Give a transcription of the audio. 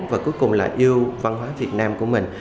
và cuối cùng là yêu văn hóa việt nam của mình